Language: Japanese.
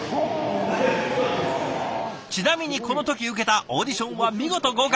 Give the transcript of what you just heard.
ちなみにこの時受けたオーディションは見事合格！